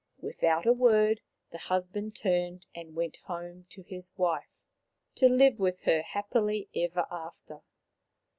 Without a word the husband turned and went home to his wife, to live with her happily ever after.